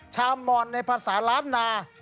ชาวมอนในภาษาล้านนา